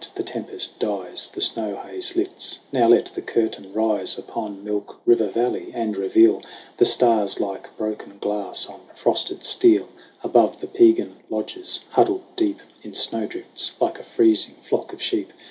The tempest dies ; The snow haze lifts. Now let the curtain rise Upon Milk River valley, and reveal The stars like broken glass on frosted steel Above the Piegan lodges, huddled deep In snowdrifts, like a freezing flock of sheep.